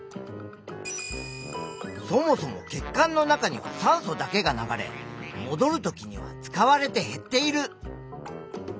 そもそも血管の中には酸素だけが流れもどるときには使われて減っている。